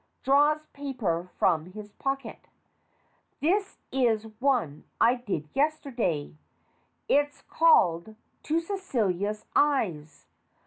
(Draws paper from his pocket.) This is one I did yesterday. It's called "To Celia's Eyes."